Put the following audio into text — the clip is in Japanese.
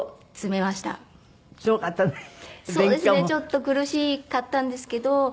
ちょっと苦しかったんですけど。